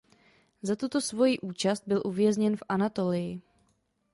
Za tuto svojí účast byl uvězněn v Anatolii.